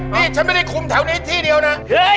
นี่ฉันไม่ได้คุมแถวนี้ที่เดียวนะ